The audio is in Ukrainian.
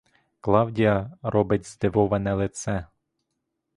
Клавдія робить здивоване лице.